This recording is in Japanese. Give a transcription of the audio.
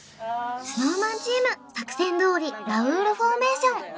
ＳｎｏｗＭａｎチーム作戦どおりラウールフォーメーション